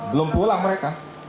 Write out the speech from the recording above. belum pulang mereka